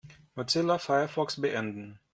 Mozilla Firefox beenden.